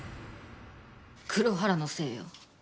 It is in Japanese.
黒原のせいよ。